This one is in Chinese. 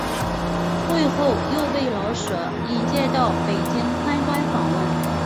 会后又被老舍引介到北京参观访问。